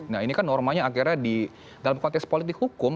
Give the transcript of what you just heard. nah ini kan normanya akhirnya di dalam konteks politik hukum